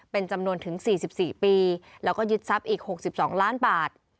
เป็นจำนวนถึง๔๔ปีแล้วก็ยึดทรัพย์อีก๖๒ล้านบาท